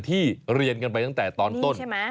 ที่เรียนกันไปตั้งแต่ตอนต้น